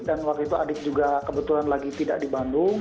dan waktu itu adik juga kebetulan lagi tidak di bandung